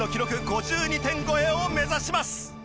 ５２点超えを目指します！